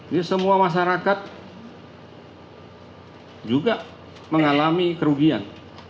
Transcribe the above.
jadi semua masyarakat juga mengalami kerugian